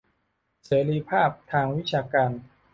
เสรีภาพทางวิชาการ